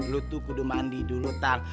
lo tuh kudu mandi dulu tang